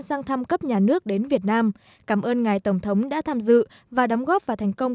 sang thăm cấp nhà nước đến việt nam cảm ơn ngài tổng thống đã tham dự và đóng góp vào thành công